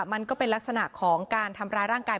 มันก็เป็นลักษณะของการทำร้ายร่างกาย